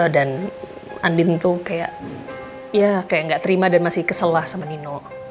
dan andin tuh kayak nggak terima dan masih keselah sama nino